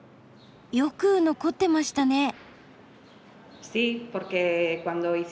よく残ってましたね。